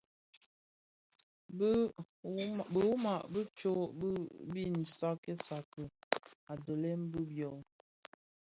Biwuma bi tsog bin mbiň sakti sakti a dhilem bi byō.